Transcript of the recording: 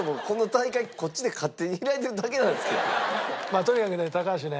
まあとにかくね高橋ね